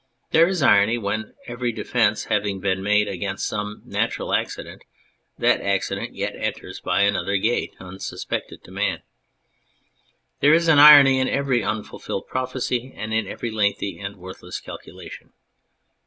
There is irony when, every defence having been made against some natural accident, that accident yet enters by another gate unsuspected to man. There is an irony in every unfulfilled prophecy and in every lengthy and worthless calculation.